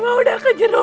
lu dari mana ya